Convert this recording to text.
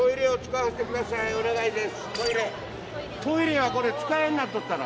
トイレはこれ使えんなっとったろ？